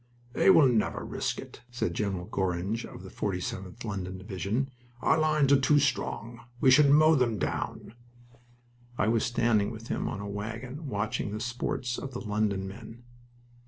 "They will never risk it!" said General Gorringe of the 47th (London) Division. "Our lines are too strong. We should mow them down." I was standing with him on a wagon, watching the sports of the London men.